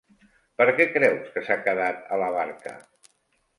Per què creus que s'ha quedat a la barca?